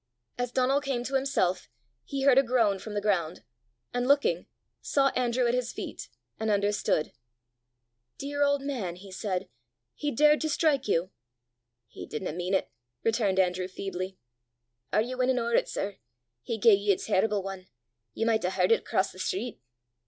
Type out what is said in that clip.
As Donal came to himself, he heard a groan from the ground, and looking, saw Andrew at his feet, and understood. "Dear old man!" he said; "he dared to strike you!" "He didna mean 't," returned Andrew feebly. "Are ye winnin' ower 't, sir? He gae ye a terrible ane! Ye micht hae h'ard it across the street!"